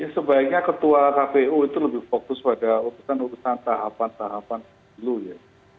sebaiknya ketua kpu itu lebih fokus pada urusan urusan tahapan tahapan dulu ya